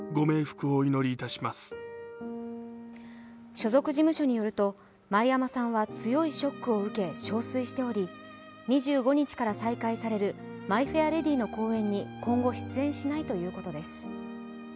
所属事務所によると、前山さんは強いショックを受け、憔悴しており、２５日から再開される「マイ・フェア・レディ」の公演に今後、出演しないということです。